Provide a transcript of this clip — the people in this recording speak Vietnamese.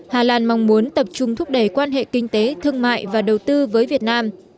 hà lan mong muốn tập trung thúc đẩy quan hệ kinh tế thương mại và đầu tư với việt nam